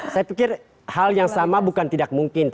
saya pikir hal yang sama bukan tidak mungkin